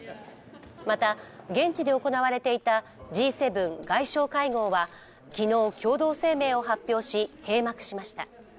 また、現地で行われていたＧ７外相会合は昨日、共同声明を発表し閉幕しました。